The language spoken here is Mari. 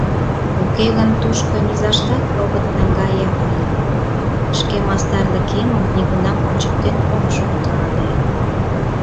Уке гын, тушко низаштат огыт наҥгае ыле, шке мастарлыкемым нигунам ончыктен ом шукто ыле...